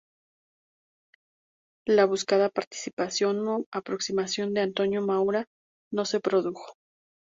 La buscada participación o aproximación de Antonio Maura no se produjo.